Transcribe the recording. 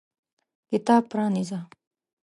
کتاب پرانیزه !